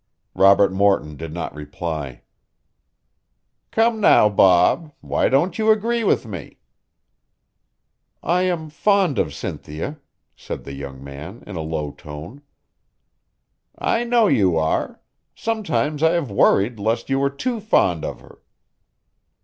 Robert Morton did not reply. "Come now, Bob. Why don't you agree with me?" "I am fond of Cynthia," said the young man in a low tone. "I know you are. Sometimes I have worried lest you were too fond of her."